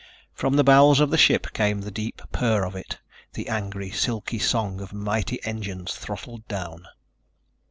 From the bowels of the ship came the deep purr of it, the angry, silky song of mighty engines throttled down.